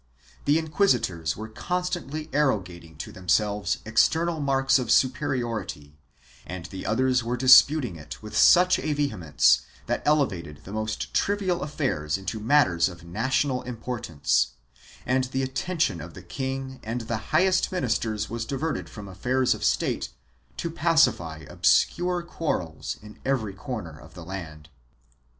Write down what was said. The inquisi tors were constantly arrogating to themselves external marks of superiority and the others were disputing it with a vehemence that elevated the most trivial affairs into matters of national importance, and the attention of the king and the highest minis ters was diverted from affairs of state to pacify obscure quarrels in every corner of the land.